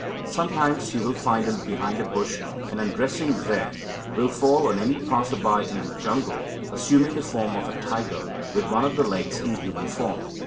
Sometimes she will find him behind a bush, and, undressing there, will fall on any passer by in the jungle, assuming the form of a tiger with one of the legs in human form.